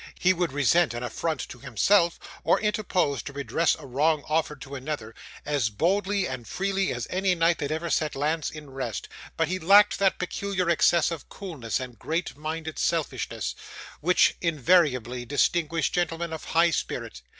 He would resent an affront to himself, or interpose to redress a wrong offered to another, as boldly and freely as any knight that ever set lance in rest; but he lacked that peculiar excess of coolness and great minded selfishness, which invariably distinguish gentlemen of high spirit.